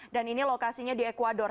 dan ini lokasinya di ecuador